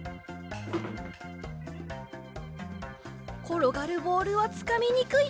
ころがるボールはつかみにくい。